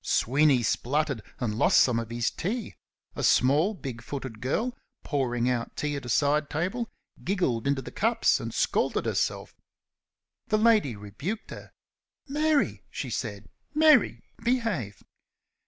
Sweeney spluttered, and lost some of his tea. A small, big footed girl, pouring out tea at a side table, giggled into the cups and scalded herself. The lady rebuked her. "Mary!" she said; "Mary, behave!"